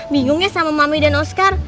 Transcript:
bingungnya sama mami dan oscar